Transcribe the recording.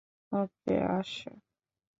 ওকে, আসো।